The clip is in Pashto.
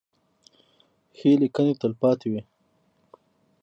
ښې لیکنې تلپاتې وي.